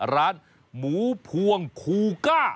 ร้านหมูพวงคูก้า